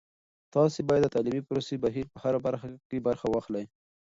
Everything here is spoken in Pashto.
تاسې باید د تعلیمي پروسې د بهیر په هره برخه کې برخه واخلئ.